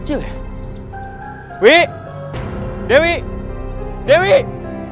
dan yang terpenting adalah